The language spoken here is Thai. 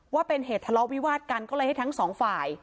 ว่าเป็นเหตุทะเลาะวิวาดกันก็เลยให้ทั้งสองฝ่าย